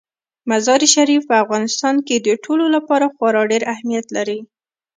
مزارشریف په افغانستان کې د ټولو لپاره خورا ډېر اهمیت لري.